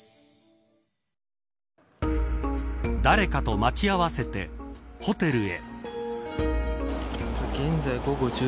誰かと待ち合わせてホテルへ。